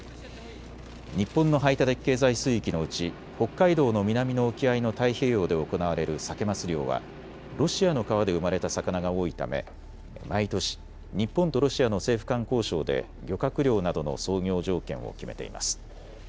日本の排他的経済水域のうち北海道の南の沖合の太平洋で行われるサケ・マス漁はロシアの川で生まれた魚が多いため毎年、日本とロシアの政府間交渉で漁獲量などの操業条件を決めています。